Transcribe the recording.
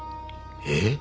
えっ？